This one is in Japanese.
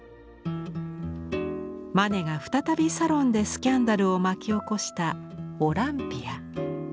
マネが再びサロンでスキャンダルを巻き起こした「オランピア」。